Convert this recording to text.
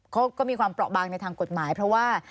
เขาก็มีความเปราะบางในทางกฎหมายเพราะว่า